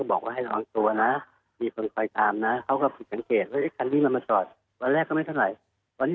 บอกพ่อแม่ว่าใส่สนุกตามว่าล่ะต้องขอไปอยู่บ้านเพื่อน